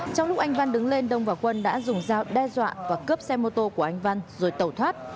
trong lúc anh văn đứng lên đông và quân đã dùng dao đe dọa và cướp xe mô tô của anh văn rồi tẩu thoát